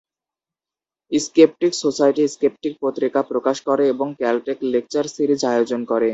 Sceptic Society "Skeptic" পত্রিকা প্রকাশ করে এবং ক্যালটেক লেকচার সিরিজ আয়োজন করে।